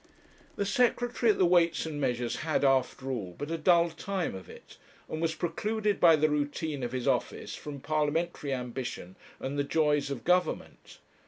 The Secretary at the Weights and Measures had, after all, but a dull time of it, and was precluded by the routine of his office from parliamentary ambition and the joys of government.